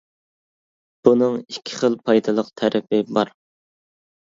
بۇنىڭ ئىككى خىل پايدىلىق تەرىپى بار.